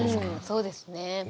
そうですね。